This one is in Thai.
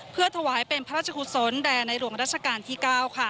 เพื่อถวายเป็นพระราชกุศลแด่ในหลวงราชการที่๙